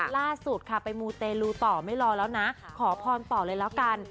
ล่าสุดค่ะไปมูเตลูต่อไม่รอแล้วนะขอพรต่อเลยแล้วกัน